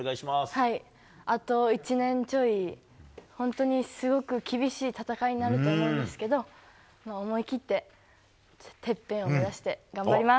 あと１年ちょい、本当にすごく厳しい戦いになると思いますけど、思い切っててっぺんを目指して頑張ります。